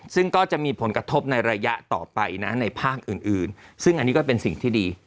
ซึ่งก็จะมีผลกระทบในระยะต่อไปนะในภาคอื่นซึ่งอันนี้ก็เป็นสิ่งที่ดี